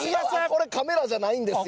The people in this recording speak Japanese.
これカメラじゃないんですよ